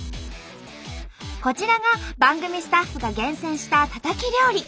こちらが番組スタッフが厳選したタタキ料理。